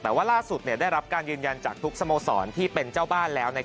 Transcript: แต่ว่าล่าสุดได้รับการยืนยันจากทุกสโมสรที่เป็นเจ้าบ้านแล้ว